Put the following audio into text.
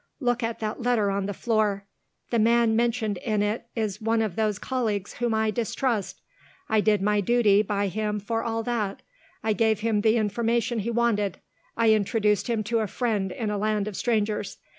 Look at that letter on the floor. The man mentioned in it is one of those colleagues whom I distrust. I did my duty by him for all that. I gave him the information he wanted; I introduced him to a friend in a land of strangers.